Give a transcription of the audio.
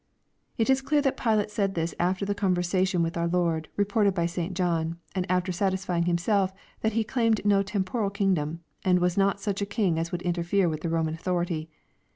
] It is clear that Pilate said this after the conversation with our Lord, reported by St. John, and after satisfying himself that He claimed no temporal kingdom, and was not such a King as would interfere with the Roman authority.